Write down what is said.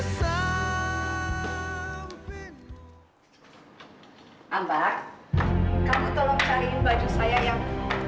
mbak kamu tolong cariin baju saya yang